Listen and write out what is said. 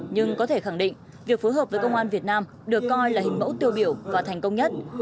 nhưng có thể khẳng định việc phối hợp với công an việt nam được coi là hình mẫu tiêu biểu và thành công nhất